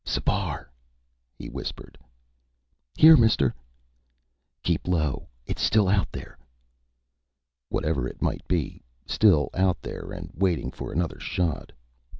"Sipar!" he whispered. "Here, mister." "Keep low. It's still out there." Whatever it might be. Still out there and waiting for another shot.